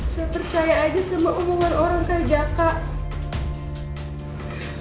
saya percaya aja sama umuman orang kayak daka